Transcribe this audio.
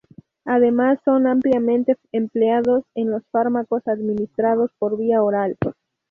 Además son ampliamente empleados en los fármacos administrados por vía oral.